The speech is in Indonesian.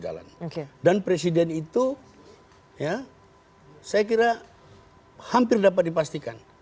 dan presiden itu ya saya kira hampir dapat dipastikan